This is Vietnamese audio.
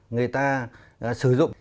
người ta sử dụng